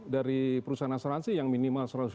dari perusahaan asuransi yang minimal